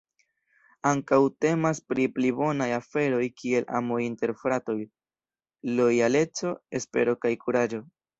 Ankaŭ temas pri pli bonaj aferoj kiel amo inter fratoj, lojaleco, espero kaj kuraĝo.